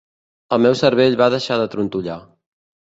El meu cervell va deixar de trontollar.